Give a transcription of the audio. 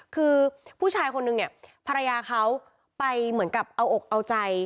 คือผู้ชายคนนึงเนี่ยภรรยาเขาไปเหมือนกับเอาอกเอาใจ